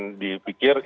tapi kan dipikirkan